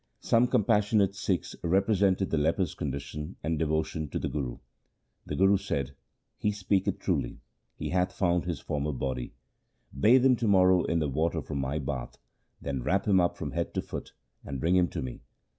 Some compassionate Sikhs represented the leper's condition and devotion to the Guru. The Guru said, ' He speaketh truly. He hath found his former body. Bathe him to morrow in the water from my bath, then wrap him up from head to foot and bring him to me.'